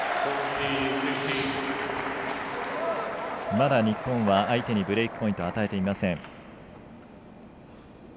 まだ日本は相手にブレークポイント与えていません。